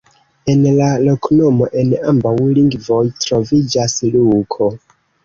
En la loknomo en ambaŭ lingvoj troviĝas Luko.